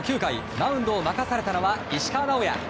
マウンドを任されたのは石川直也。